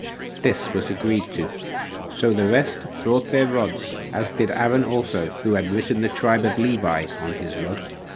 This was agreed to. So the rest brought their rods, as did Aaron also, who had written the tribe of Levi on his rod.